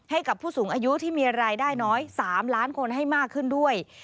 ให้กับผู้สูงอายุที่มีรายได้น้อย๓ล้านคนให้มากขึ้นด้วย